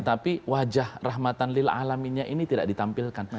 sehingga wajah rahmatan lil'alaminya ini tidak ditampilkan